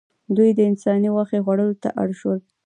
دوی د انسان غوښې خوړلو ته اړ شول.